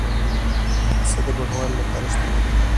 پسه د بڼوال لپاره شتمني ده.